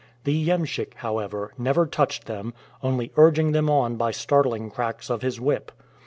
The iemschik, however, never touched them, only urging them on by startling cracks of his whip.